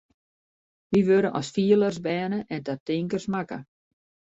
Wy wurde as fielers berne en ta tinkers makke.